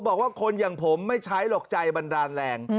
บอกว่าคนอย่างผมไม่ใช้หรอกใจบันดาลแรง